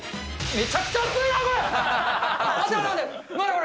めちゃくちゃ熱いな、これ。